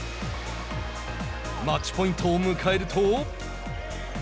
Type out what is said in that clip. マッチポイントを迎えると。